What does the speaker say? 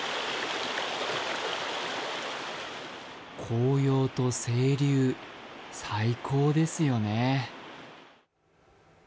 紅葉と清流、最高ですよね。